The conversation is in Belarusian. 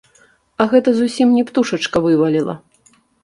А гэта зусім не птушачка вываліла.